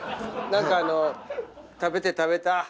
何かあの食べて食べた。